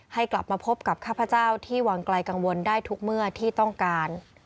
ให้กลับมาพบกับข้าพเจ้าที่วางไกลกังวลได้ทุกเมื่อที่ต้องการ